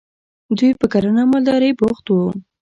دوی په کرنه او مالدارۍ بوخت وو.